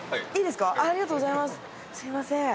すみません。